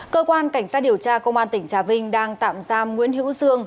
cơ quan cảnh sát điều tra công an tỉnh trà vinh đang tạm giam nguyễn hữu dương